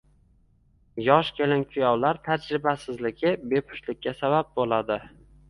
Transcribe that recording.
Yosh kelin-kuyovlar tajribasizligi bepushtlikka sabab bo‘ladi.